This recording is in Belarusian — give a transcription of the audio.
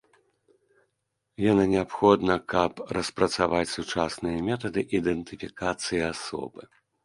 Яна неабходна, каб распрацаваць сучасныя метады ідэнтыфікацыі асобы.